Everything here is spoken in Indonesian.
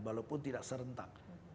walaupun tidak serentak